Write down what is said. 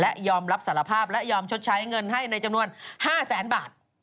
และยอมรับสารภาพและยอมชดใช้เงินให้ในจำนวน๕แสนบาท